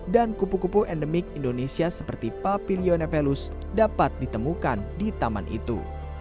dan kupu kupu endemik indonesia seperti papilio nevelus dapat ditemukan di taman itu